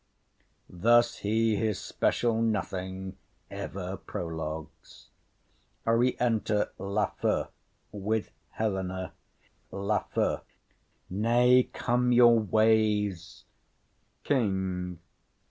Thus he his special nothing ever prologues. Enter Lafew with Helena. LAFEW. Nay, come your ways. KING.